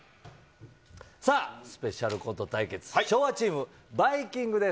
さあ、スペシャルコント対決、昭和チーム、バイきんぐです。